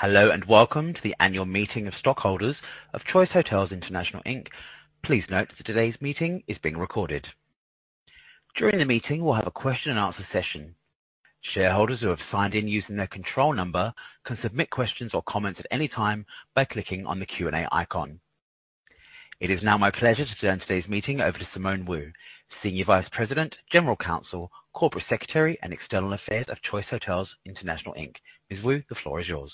Hello, and welcome to the Annual Meeting of Stockholders of Choice Hotels International, Inc. Please note that today's meeting is being recorded. During the meeting, we'll have a question and answer session. Shareholders who have signed in using their control number can submit questions or comments at any time by clicking on the Q&A icon. It is now my pleasure to turn today's meeting over to Simone Wu, Senior Vice President, General Counsel, Corporate Secretary, and External Affairs of Choice Hotels International, Inc. Ms. Wu, the floor is yours.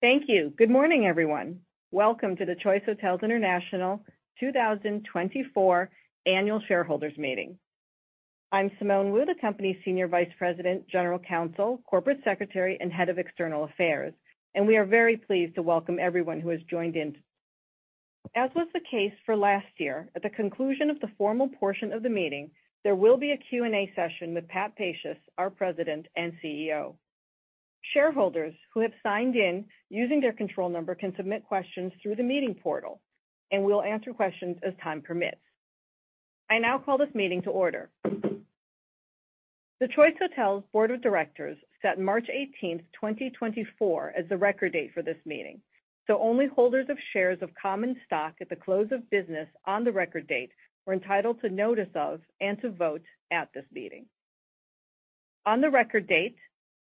Thank you. Good morning, everyone. Welcome to the Choice Hotels International 2024 Annual Shareholders Meeting. I'm Simone Wu, the company's Senior Vice President, General Counsel, Corporate Secretary, and Head of External Affairs, and we are very pleased to welcome everyone who has joined in. As was the case for last year, at the conclusion of the formal portion of the meeting, there will be a Q&A session with Pat Pacious, our President and CEO. Shareholders who have signed in using their control number can submit questions through the meeting portal, and we'll answer questions as time permits. I now call this meeting to order. The Choice Hotels Board of Directors set March eighteenth, 2024, as the record date for this meeting, so only holders of shares of common stock at the close of business on the record date were entitled to notice of and to vote at this meeting. On the record date,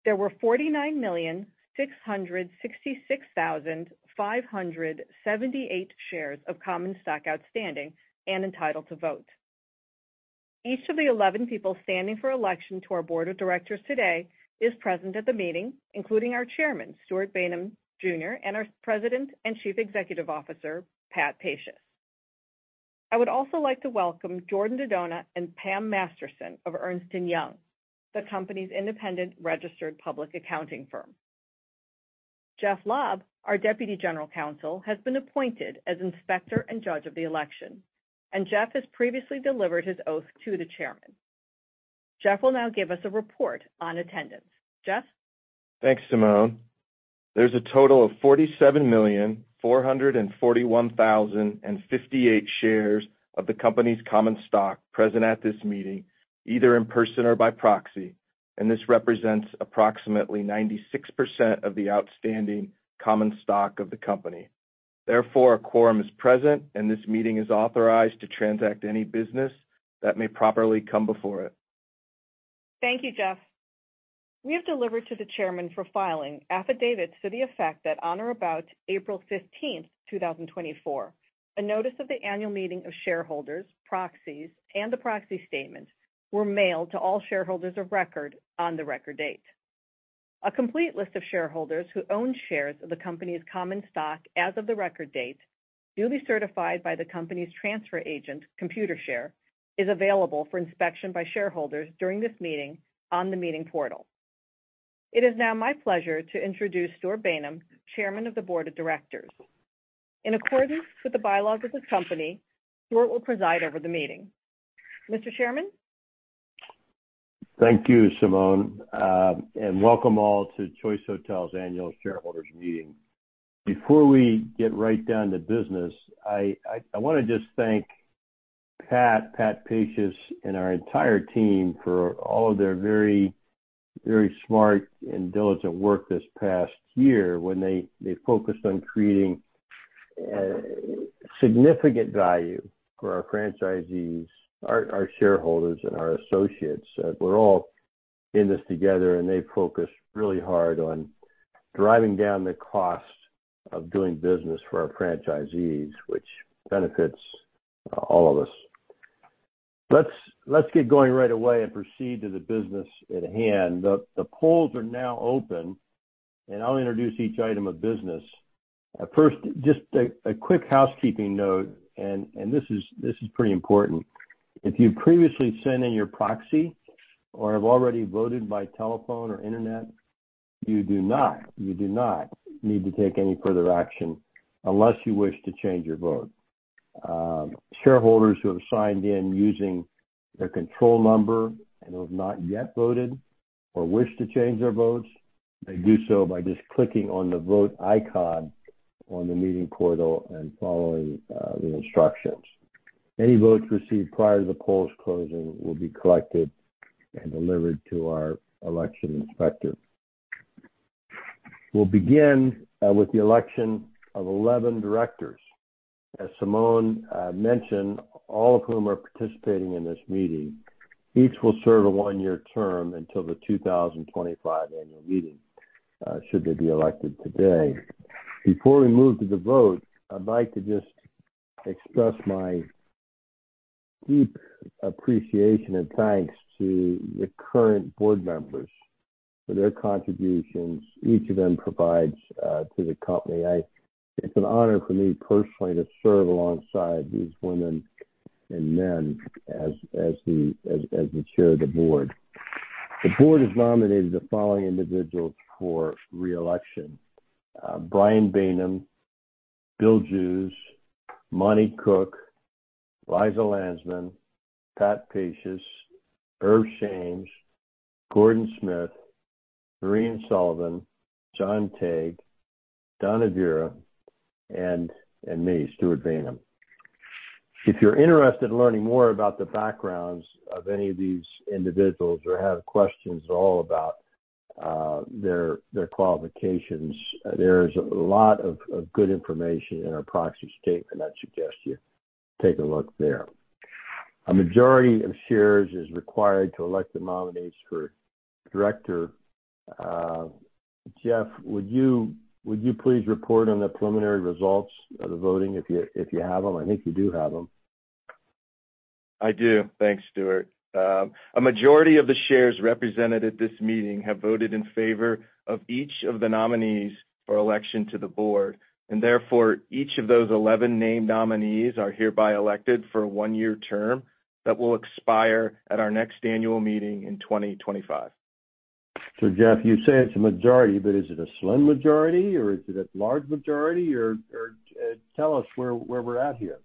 there were 49,666,578 shares of common stock outstanding and entitled to vote. Each of the 11 people standing for election to our board of directors today is present at the meeting, including our chairman, Stewart Bainum Jr., and our President and Chief Executive Officer, Pat Pacious. I would also like to welcome Jordan DiDona and Pam Masterson of Ernst & Young, the company's independent registered public accounting firm. Jeff Lobb, our Deputy General Counsel, has been appointed as inspector and judge of the election, and Jeff has previously delivered his oath to the chairman. Jeff will now give us a report on attendance. Jeff? Thanks, Simone. There's a total of 47,441,058 shares of the company's common stock present at this meeting, either in person or by proxy, and this represents approximately 96% of the outstanding common stock of the company. Therefore, a quorum is present, and this meeting is authorized to transact any business that may properly come before it. Thank you, Jeff. We have delivered to the chairman for filing affidavits to the effect that on or about April 15, 2024, a notice of the annual meeting of shareholders, proxies, and the proxy statements were mailed to all shareholders of record on the record date. A complete list of shareholders who own shares of the company's common stock as of the record date, duly certified by the company's transfer agent, Computershare, is available for inspection by shareholders during this meeting on the meeting portal. It is now my pleasure to introduce Stewart Bainum, Chairman of the Board of Directors. In accordance with the bylaws of the company, Stewart will preside over the meeting. Mr. Chairman? Thank you, Simone, and welcome all to Choice Hotels Annual Shareholders Meeting. Before we get right down to business, I wanna just thank Pat Pacious, and our entire team for all of their very, very smart and diligent work this past year, when they focused on creating significant value for our franchisees, our shareholders, and our associates. We're all in this together, and they focused really hard on driving down the cost of doing business for our franchisees, which benefits all of us. Let's get going right away and proceed to the business at hand. The polls are now open, and I'll introduce each item of business. First, just a quick housekeeping note, and this is pretty important. If you previously sent in your proxy or have already voted by telephone or internet, you do not, you do not need to take any further action unless you wish to change your vote. Shareholders who have signed in using their control number and who have not yet voted or wish to change their votes, may do so by just clicking on the Vote icon on the meeting portal and following the instructions. Any votes received prior to the polls closing will be collected and delivered to our election inspector. We'll begin with the election of 11 directors. As Simone mentioned, all of whom are participating in this meeting. Each will serve a one-year term until the 2025 annual meeting, should they be elected today. Before we move to the vote, I'd like to just express my deep appreciation and thanks to the current board members for their contributions, each of them provides to the company. It's an honor for me personally to serve alongside these women and men as the chair of the board. The board has nominated the following individuals for re-election. Brian Bainum, Bill Jews, Monte Koch, Liza Landsman, Pat Pacious, Irv Shames, Gordon Smith, Maureen Sullivan, John Tague, Donna Vieira, and me, Stewart Bainum. If you're interested in learning more about the backgrounds of any of these individuals or have questions at all about their qualifications, there is a lot of good information in our proxy statement. I'd suggest you take a look there. A majority of shares is required to elect the nominees for director. Jeff, would you please report on the preliminary results of the voting, if you have them? I think you do have them. I do. Thanks, Stewart. A majority of the shares represented at this meeting have voted in favor of each of the nominees for election to the Board, and therefore, each of those 11 named nominees are hereby elected for a one-year term that will expire at our next annual meeting in 2025. So, Jeff, you say it's a majority, but is it a slim majority, or is it a large majority, or tell us where we're at here.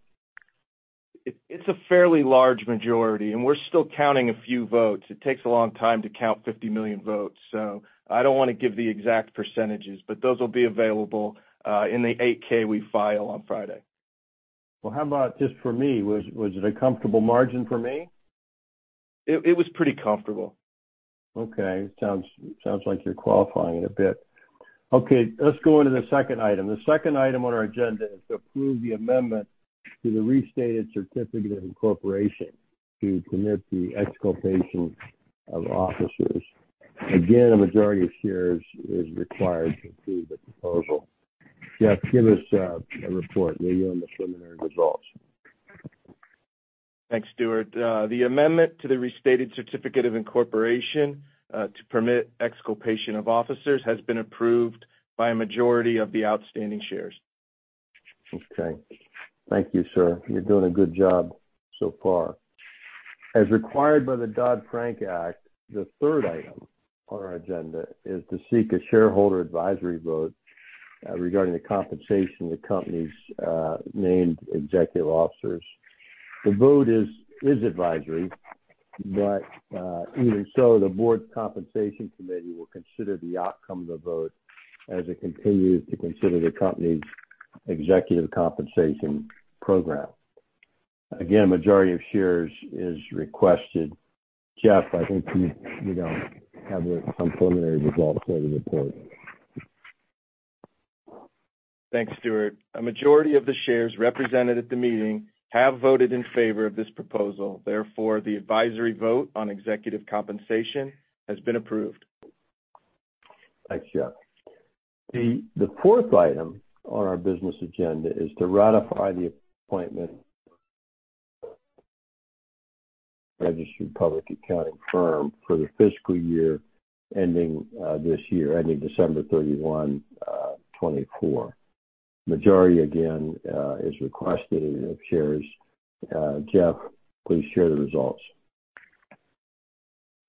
It's a fairly large majority, and we're still counting a few votes. It takes a long time to count 50 million votes, so I don't wanna give the exact percentages, but those will be available in the 8-K we file on Friday. Well, how about just for me? Was it a comfortable margin for me? It was pretty comfortable. Okay. Sounds like you're qualifying it a bit. Okay, let's go on to the second item. The second item on our agenda is to approve the amendment to the restated certificate of incorporation to permit the exculpation of officers. Again, a majority of shares is required to approve the proposal. Jeff, give us a report on the preliminary results. Thanks, Stewart. The amendment to the restated certificate of incorporation to permit exculpation of officers has been approved by a majority of the outstanding shares. Okay. Thank you, sir. You're doing a good job so far. As required by the Dodd-Frank Act, the third item on our agenda is to seek a shareholder advisory vote regarding the compensation of the company's named executive officers. The vote is advisory, but even so, the board's compensation committee will consider the outcome of the vote as it continues to consider the company's executive compensation program. Again, majority of shares is requested. Jeff, I think you, you know, have some preliminary results for the report. Thanks, Stewart. A majority of the shares represented at the meeting have voted in favor of this proposal. Therefore, the advisory vote on executive compensation has been approved. Thanks, Jeff. The fourth item on our business agenda is to ratify the appointment registered public accounting firm for the fiscal year ending this year, ending December 31, 2024. Majority again is requested of shares. Jeff, please share the results.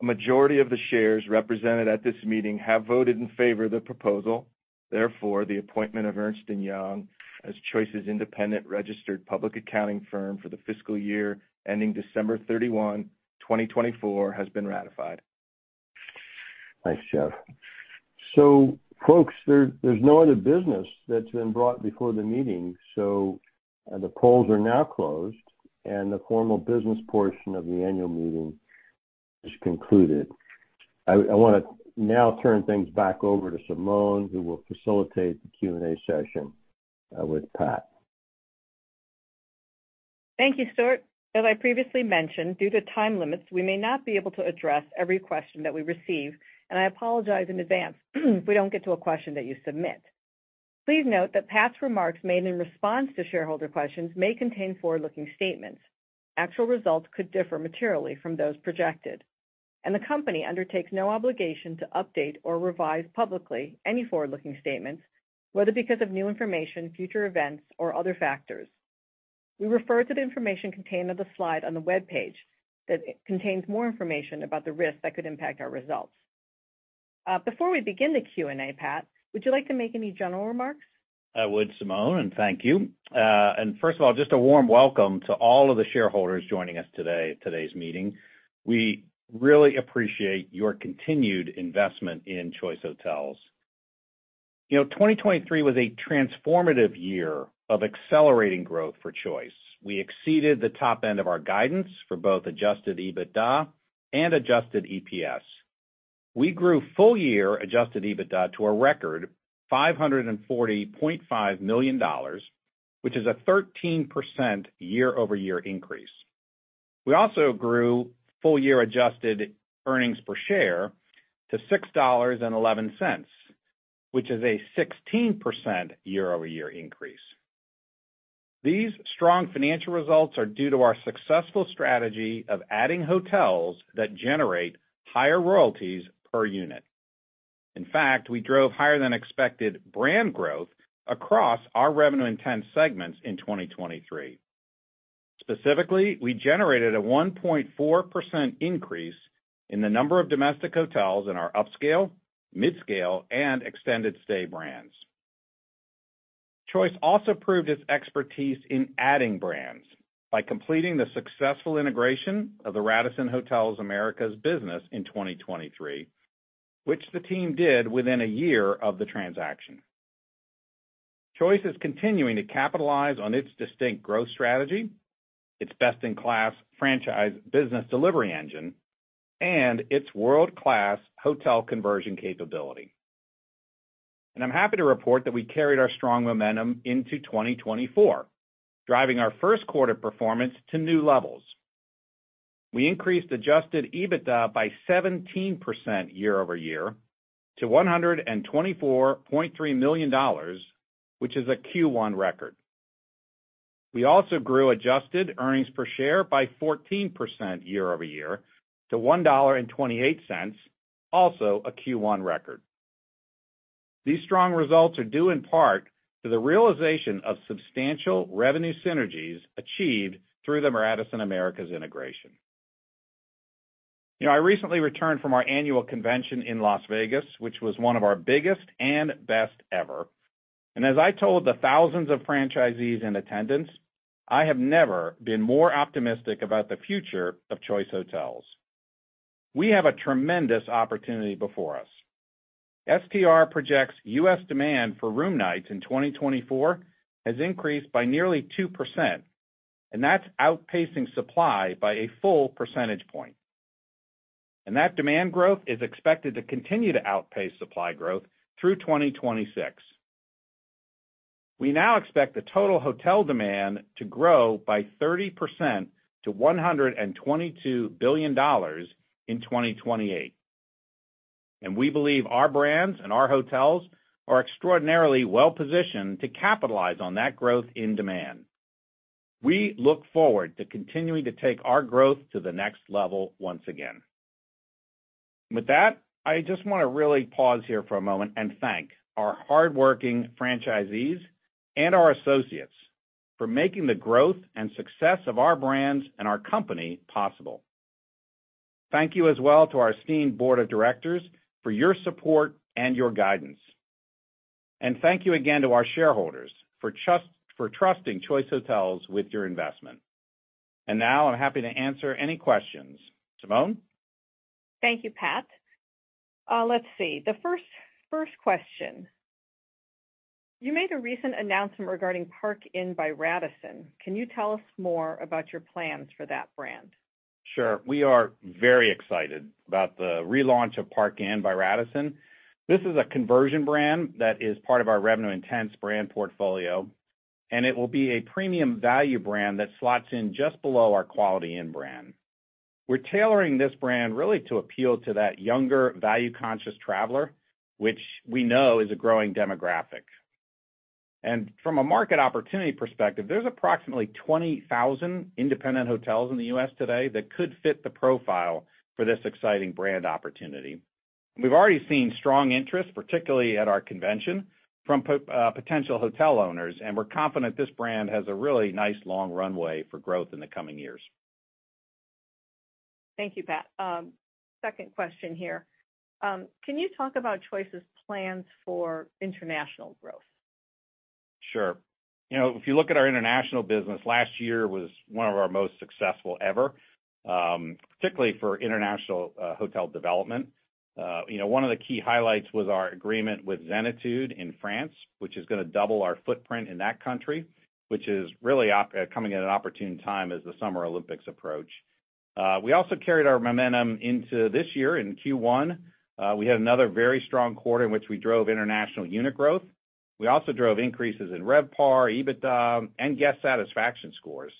A majority of the shares represented at this meeting have voted in favor of the proposal. Therefore, the appointment of Ernst & Young as Choice's independent registered public accounting firm for the fiscal year ending December 31, 2024, has been ratified. Thanks, Jeff. So folks, there's no other business that's been brought before the meeting, so the polls are now closed, and the formal business portion of the annual meeting is concluded. I wanna now turn things back over to Simone, who will facilitate the Q&A session with Pat. Thank you, Stewart. As I previously mentioned, due to time limits, we may not be able to address every question that we receive, and I apologize in advance if we don't get to a question that you submit. Please note that Pat's remarks made in response to shareholder questions may contain forward-looking statements. Actual results could differ materially from those projected, and the company undertakes no obligation to update or revise publicly any forward-looking statements, whether because of new information, future events, or other factors. We refer to the information contained on the slide on the webpage that contains more information about the risks that could impact our results. Before we begin the Q&A, Pat, would you like to make any general remarks? I would, Simone, and thank you. First of all, just a warm welcome to all of the shareholders joining us today at today's meeting. We really appreciate your continued investment in Choice Hotels. You know, 2023 was a transformative year of accelerating growth for Choice. We exceeded the top end of our guidance for both adjusted EBITDA and adjusted EPS. We grew full-year adjusted EBITDA to a record $540.5 million, which is a 13% year-over-year increase. We also grew full-year adjusted earnings per share to $6.11, which is a 16% year-over-year increase. These strong financial results are due to our successful strategy of adding hotels that generate higher royalties per unit. In fact, we drove higher than expected brand growth across our revenue intent segments in 2023. Specifically, we generated a 1.4% increase in the number of domestic hotels in our upscale, midscale, and extended stay brands. Choice also proved its expertise in adding brands by completing the successful integration of the Radisson Hotels Americas business in 2023, which the team did within a year of the transaction. Choice is continuing to capitalize on its distinct growth strategy, its best-in-class franchise business delivery engine, and its world-class hotel conversion capability. And I'm happy to report that we carried our strong momentum into 2024, driving our first quarter performance to new levels. We increased Adjusted EBITDA by 17% year-over-year to $124.3 million, which is a Q1 record. We also grew adjusted earnings per share by 14% year-over-year to $1.28, also a Q1 record. These strong results are due in part to the realization of substantial revenue synergies achieved through the Radisson Americas integration. You know, I recently returned from our annual convention in Las Vegas, which was one of our biggest and best ever, and as I told the thousands of franchisees in attendance, I have never been more optimistic about the future of Choice Hotels. We have a tremendous opportunity before us. STR projects U.S. demand for room nights in 2024 has increased by nearly 2%, and that's outpacing supply by a full percentage point. And that demand growth is expected to continue to outpace supply growth through 2026. We now expect the total hotel demand to grow by 30% to $122 billion in 2028, and we believe our brands and our hotels are extraordinarily well positioned to capitalize on that growth in demand. We look forward to continuing to take our growth to the next level once again. With that, I just want to really pause here for a moment and thank our hardworking franchisees and our associates for making the growth and success of our brands and our company possible. Thank you as well to our esteemed board of directors for your support and your guidance. And thank you again to our shareholders for trust, for trusting Choice Hotels with your investment. And now I'm happy to answer any questions. Simone? Thank you, Pat. Let's see. The first, first question: You made a recent announcement regarding Park Inn by Radisson. Can you tell us more about your plans for that brand? Sure. We are very excited about the relaunch of Park Inn by Radisson. This is a conversion brand that is part of our revenue-intense brand portfolio, and it will be a premium value brand that slots in just below our Quality Inn brand. We're tailoring this brand really to appeal to that younger, value-conscious traveler, which we know is a growing demographic. And from a market opportunity perspective, there's approximately 20,000 independent hotels in the U.S. today that could fit the profile for this exciting brand opportunity. We've already seen strong interest, particularly at our convention, from potential hotel owners, and we're confident this brand has a really nice, long runway for growth in the coming years. Thank you, Pat. Second question here. Can you talk about Choice's plans for international growth? Sure. You know, if you look at our international business, last year was one of our most successful ever, particularly for international hotel development. You know, one of the key highlights was our agreement with Zenitude in France, which is gonna double our footprint in that country, which is really coming at an opportune time as the Summer Olympics approach. We also carried our momentum into this year. In Q1, we had another very strong quarter in which we drove international unit growth. We also drove increases in RevPAR, EBITDA, and guest satisfaction scores.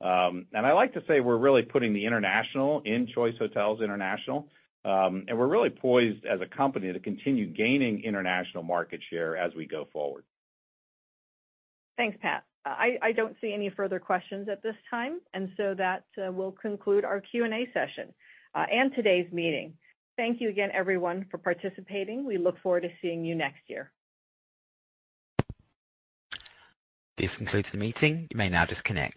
And I like to say we're really putting the international in Choice Hotels International, and we're really poised as a company to continue gaining international market share as we go forward. Thanks, Pat. I don't see any further questions at this time, and so that will conclude our Q&A session and today's meeting. Thank you again, everyone, for participating. We look forward to seeing you next year. This concludes the meeting. You may now disconnect.